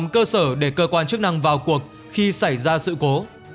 toàn chức năng vào cuộc khi xảy ra sự cố